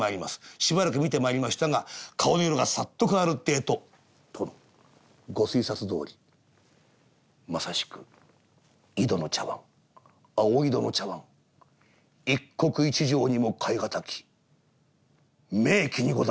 しばらく見てまいりましたが顔色がさっと変わるってえと「殿ご推察どおりまさしく井戸の茶碗青井戸の茶碗一国一城にも代え難き名器にござります」。